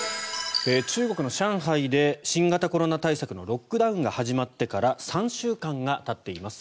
中国の上海で新型コロナ対策のロックダウンが始まってから３週間がたっています。